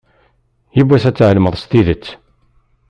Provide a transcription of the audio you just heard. Yiwwas ad tεelmeḍ s tidet.